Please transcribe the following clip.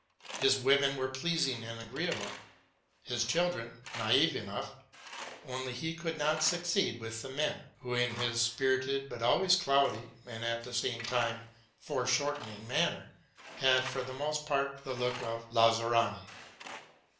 His women were pleasing and agreeable, his children naive enough; only he could not succeed with the men, who, in his spirited but alw ays cloudy, and at the same time foreshorten ing, manner, had for the most part the look of Lazzaroni.